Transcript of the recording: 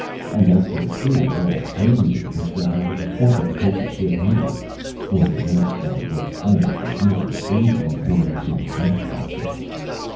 And as to the crew, all they knew was that I was appointed to take the ship home. For the rest, I was almost as much of a stranger on board as himself, I said.